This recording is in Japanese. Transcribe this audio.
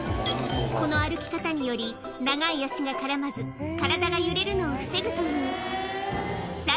この歩き方により、長い脚が絡まず、体が揺れるのを防ぐという。